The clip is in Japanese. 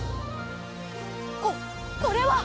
ここれは！